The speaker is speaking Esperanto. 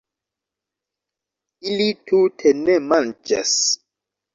Ili tute ne manĝas